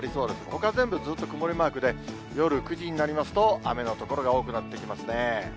ほか、全部ずっと曇りマークで、夜９時になりますと、雨の所が多くなってきますね。